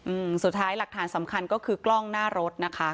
อืมสุดท้ายหลักฐานสำคัญก็คือกล้องหน้ารถนะคะ